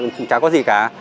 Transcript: chẳng có gì cả